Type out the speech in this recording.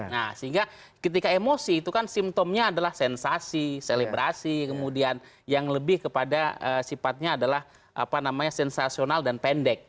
nah sehingga ketika emosi itu kan simptomnya adalah sensasi selebrasi kemudian yang lebih kepada sifatnya adalah apa namanya sensasional dan pendek